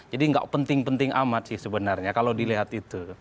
jadi nggak penting penting amat sih sebenarnya kalau dilihat itu